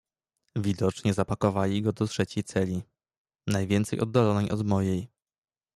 "Widocznie zapakowali go do trzeciej celi, najwięcej oddalonej od mojej."